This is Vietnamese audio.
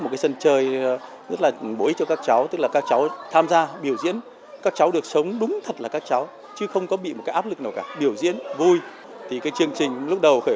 không có áp lực nào